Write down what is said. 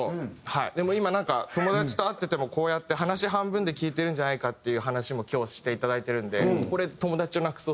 でも今なんか友達と会っててもこうやって話半分で聞いてるんじゃないかっていう話も今日していただいてるんでこれで。